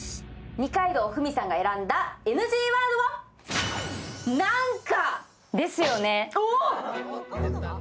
二階堂ふみさんが選んだＮＧワードは、「なんか」。